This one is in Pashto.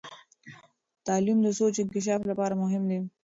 تعلیم د سوچ انکشاف لپاره مهم دی.